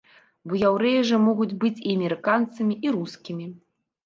Бо яўрэі ж могуць быць і амерыканцамі, і рускімі!